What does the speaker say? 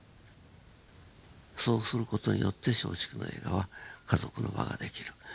そうする事によって松竹の映画は家族の輪が出来る。